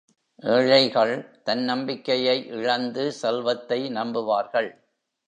ஏழைகள், தன்னம்பிக்கையை இழந்து செல்வத்தை நம்புவார்கள்.